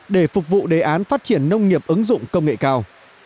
để phục vụ đề án phát triển nông nghiệp ứng dụng công nghệ cao